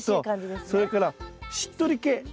それからしっとり系。